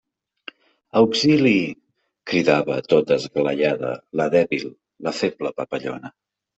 Auxili! —cridava tota esglaiada la dèbil, la feble papallona.